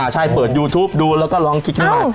ใช่เปิดยูทูปดูแล้วก็ลองคิดขึ้นมา